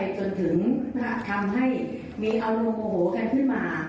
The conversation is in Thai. สถาบันที่เข้าไปทำร้ายร่างกายเขา